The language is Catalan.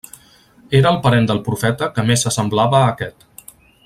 Era el parent del Profeta que més s'assemblava a aquest.